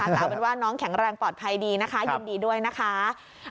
แต่เอาเป็นว่าน้องแข็งแรงปลอดภัยดีนะคะยินดีด้วยนะคะ